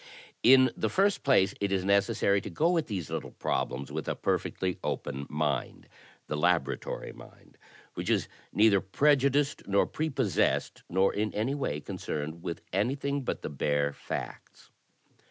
In the first place, it is necessary to go at these little problems with a perfectly open mind — the laboratory mind, which is neither prejudiced nor prepossessed nor in any way concerned with anjrthing but the bare facts.